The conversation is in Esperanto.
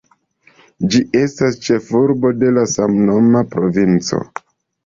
Ĝi estas ĉefurbo de la samnoma provinco.